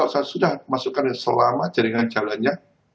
saya sudah masukkan selama jaringan jalannya